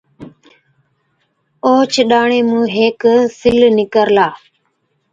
اوهچ ڏاڻي مُون هيڪ سل نِڪرلا۔